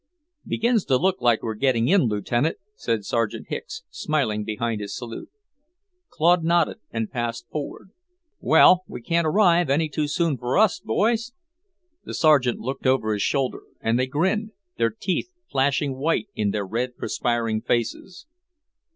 "Begins to look like we're getting in, Lieutenant," said Sergeant Hicks, smiling behind his salute. Claude nodded and passed forward. "Well, we can't arrive any too soon for us, boys?" The Sergeant looked over his shoulder, and they grinned, their teeth flashing white in their red, perspiring faces.